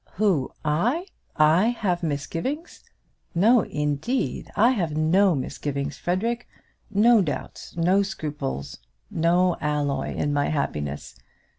"Who? I? I have misgivings! No, indeed. I have no misgivings, Frederic; no doubts, no scruples, no alloy in my happiness.